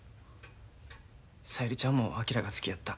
小百合ちゃんも昭が好きやった。